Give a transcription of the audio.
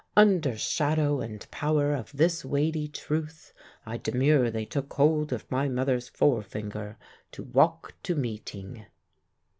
Under shadow and power of this weighty truth, I demurely took hold of my mother's forefinger to walk to meeting.